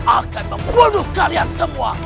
akan membunuh kalian semua